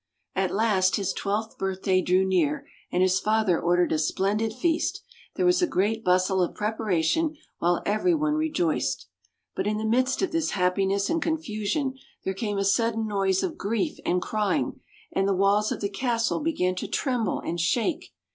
At last his twelfth birthday drew near, and his father ordered a splendid feast. There was a great bustle of preparation, while everyone rejoiced. But in the midst of this happiness and confusion there came a sudden noise of grief and crying, and the walls of the castle began to tremble and shake.